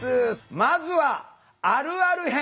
まずは「あるある編」。